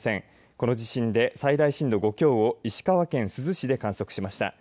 この地震で最大震度５強を石川県珠洲市で観測しました。